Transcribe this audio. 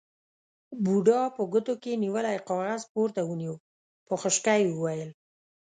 بوډا په ګوتو کې نيولی کاغذ پورته ونيو، په خشکه يې وويل: